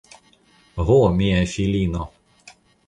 Ho, mia filino!